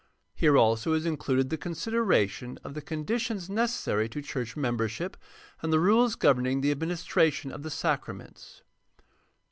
Here also is included the consideration of the conditions necessary to church mem bership and the rules governing the administration of the sacraments.